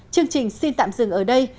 chương trình xin tạm dừng ở đây